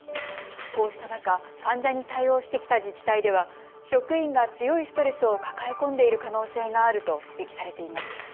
こうした中、患者に対応してきた自治体では職員が強いストレスを抱え込んでいる可能性があると指摘されています。